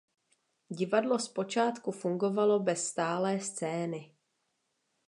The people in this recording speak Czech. Divadlo zpočátku fungovalo bez stálé scény.